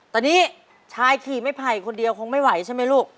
ตอนนี้ชายขี่ไม่ไผ่คนเดียวคงไม่ไหวใช่ไหมลูก